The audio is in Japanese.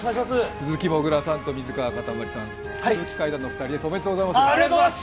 鈴木もぐらさんと水川かたまりさん、空気階段のお二人です、おめでとうございます。